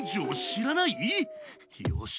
よし。